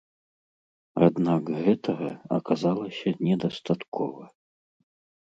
Аднак гэтага аказалася недастаткова.